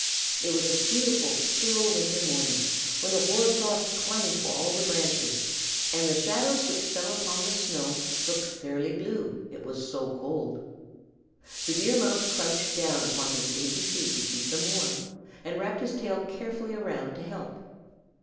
It was a beautiful, still winter morning when the hoar frost clung to all the branches, and the shadows which fell upon the snow looked fairly blue, it was so cold. The Deer Mouse crouched down upon his dainty feet to keep them warm, and wrapped his tail carefully around to help.